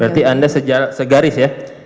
berarti anda segaris ya